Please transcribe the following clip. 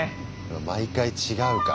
毎回違うから。